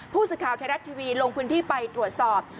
ผู้สิทธิ์ข่าวแทนแร็ตทีวีลงพื้นที่ไปตรวจสอบ